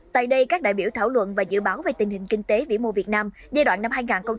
tại đây các đại biểu thảo luận và dự báo về tình hình kinh tế vĩ mô việt nam giai đoạn năm hai nghìn hai mươi một hai nghìn ba mươi